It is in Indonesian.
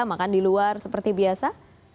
makan di luar seperti biasa